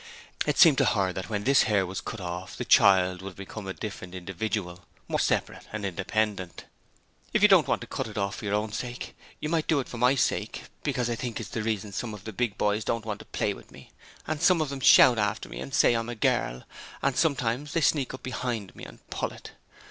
It seemed to her that when this hair was cut off the child would have become a different individual more separate and independent. 'If you don't want to cut it off for your own sake, you might do it for my sake, because I think it's the reason some of the big boys don't want to play with me, and some of them shout after me and say I'm a girl, and sometimes they sneak up behind me and pull it.